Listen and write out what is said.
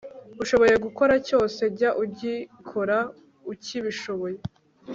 ushoboye gukora cyose, jya ugikora ukibishoboye,